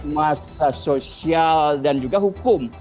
masa sosial dan juga hukum